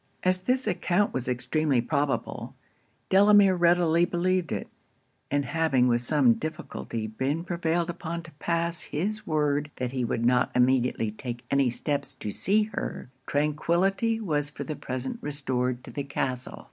As this account was extremely probable, Delamere readily believed it; and having with some difficulty been prevailed upon to pass his word that he would not immediately take any steps to see her, tranquillity was for the present restored to the castle.